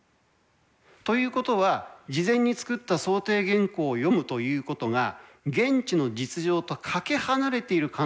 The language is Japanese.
ということは事前に作った想定原稿を読むということが現地の実情とかけ離れている可能性はないでしょうか。